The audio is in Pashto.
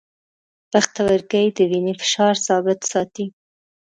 پښتورګي د وینې فشار ثابت ساتي.